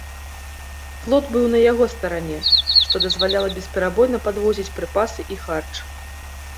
Флот быў на яго старане, што дазваляла бесперабойна падвозіць прыпасы і харч.